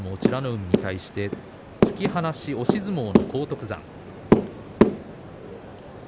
海に対して突き放し、押し相撲の荒篤山。